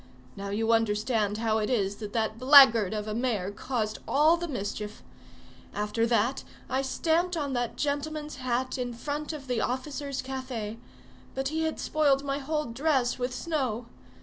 Now you understand how it is that that blackguard of a mayor caused all the mischief. After that I stamped on that gentleman's hat in front of the officers' café; but he had spoiled my whole dress with snow.